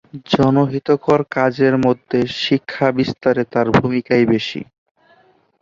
জনহিতকর কাজের মধ্যে শিক্ষা বিস্তারে তার ভুমিকা ই বেশি।